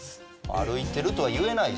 歩いてるとは言えない？